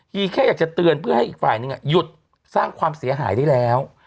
ีแค่อยากจะเตือนเพื่อให้อีกฝ่ายนึงหยุดสร้างความเสียหายได้แล้ว